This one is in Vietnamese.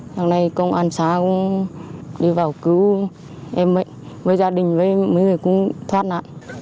sáng nay công an sáng đi vào cứu em ấy với gia đình với mấy người cũng thoát nạn